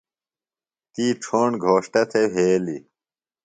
تی ڇھوݨ گھوݜٹہ تھےۡ وھیلیۡ۔